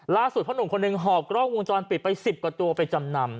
พ่อหนุ่มคนหนึ่งหอบกล้องวงจรปิดไป๑๐กว่าตัวไปจำนำ